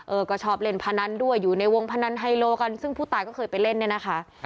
เออก็ชอบเล่นพนันด้วยอยู่ในวงพนันไฮโลกันซึ่งผู้ตายก็เคยไปเล่นเนี่ยนะคะ